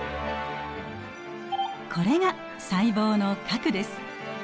これが細胞の核です。